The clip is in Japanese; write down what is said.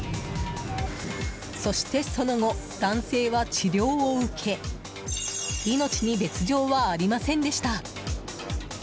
そして、その後男性は治療を受け命に別条はありませんでした。